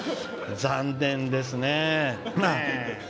残念ですね。